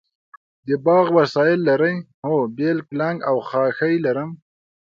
د باغ وسایل لرئ؟ هو، بیل، کلنګ او خاښۍ لرم